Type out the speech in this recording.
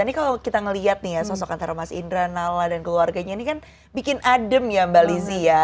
ini kalau kita melihat nih ya sosok antara mas indra nala dan keluarganya ini kan bikin adem ya mbak lizzie ya